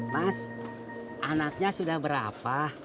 mas anaknya sudah berapa